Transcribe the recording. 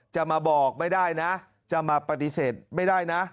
จะมาบอกไม่ได้นะจะมาปฏิเสธไม่ได้นะ